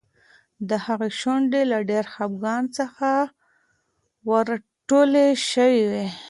د هغې شونډې له ډېر خپګان څخه ورټولې شوې وې.